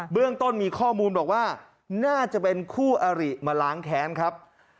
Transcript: เรื่องต้นมีข้อมูลบอกว่าน่าจะเป็นคู่อริมาล้างแค้นครับ